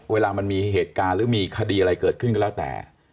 เวลามันมีเหตุการณ์หรือมีคดีอะไรเกิดขึ้นก็แล้วแต่